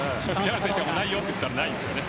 選手がないよって言ったらないんですよね。